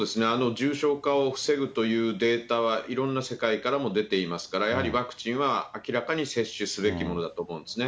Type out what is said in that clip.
重症化を防ぐというデータはいろんな世界からも出ていますから、やはりワクチンは、明らかに接種すべきものだと思うんですね。